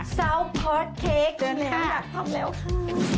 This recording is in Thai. ซาวคอร์สเค้กเท่านานทำแล้วค่ะ